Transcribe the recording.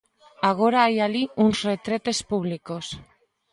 Agora hai alí uns retretes públicos.